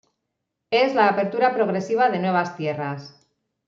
Es la apertura progresiva de nuevas tierras.